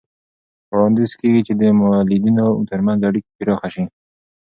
وړاندیز کېږي چې د مؤلدینو ترمنځ اړیکې پراخه شي.